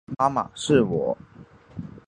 妈妈，是我